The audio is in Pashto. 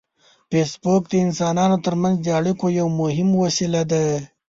فېسبوک د انسانانو ترمنځ د اړیکو یو مهم وسیله ده